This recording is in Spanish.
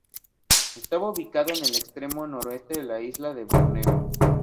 Estaba ubicado en el extremo noreste de la isla de Borneo.